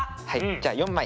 じゃあ４枚。